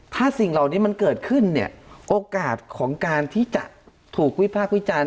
ถ้าสิ่งเหล่านี้มันเกิดขึ้นเนี่ยโอกาสของการที่จะถูกวิพากษ์วิจารณ์